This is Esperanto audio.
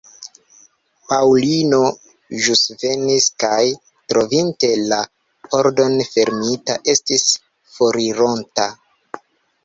Paŭlino ĵus venis kaj, trovinte la pordon fermita, estis forironta.